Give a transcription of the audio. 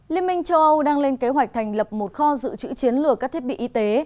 liên minh châu âu đang lên kế hoạch thành lập một kho dự trữ chiến lược các thiết bị y tế